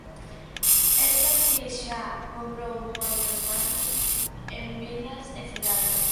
Elsa, que xa cobrou moitos danos en vilas e cidades.